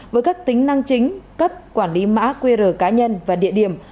với các tính năng chính cấp quản lý mã qr cá nhân và địa điểm